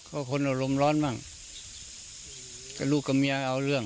ก็คนอารมณ์ร้อนบ้างแต่ลูกกับเมียเอาเรื่อง